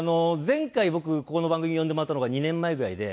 前回僕ここの番組に呼んでもらったのが２年前ぐらいで。